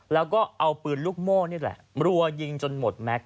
แล้วก็เอาปืนลูกโม่นี่แหละรัวยิงจนหมดแม็กซ